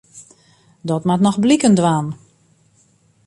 Dat moat noch bliken dwaan.